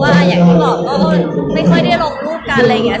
อย่างที่บอกก็ไม่ค่อยได้ลงรูปกันอะไรอย่างนี้